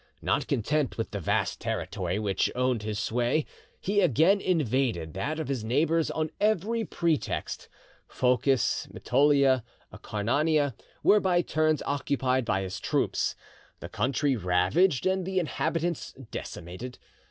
Not content with the vast territory which owned his sway, he again invaded that of his neighbours on every pretext. Phocis, Mtolia, Acarnania, were by turns occupied by his troops, the country ravaged, and the inhabitants decimated.